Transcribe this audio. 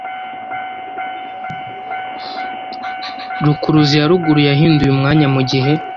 rukuruzi ya ruguru yahinduye umwanya mugihe